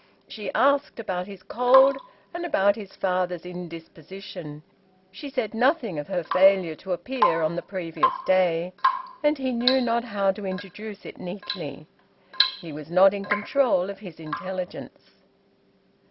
She asked about his cold and about his father's indisposition. She said nothing of her failure to appear on the previous day, and he knew not how to introduce it neatly: he was not in control of his intelligence.